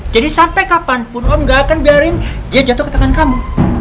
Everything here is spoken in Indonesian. jadi sampai kapan pun om gak akan biarin dia jatuh ke tangan kamu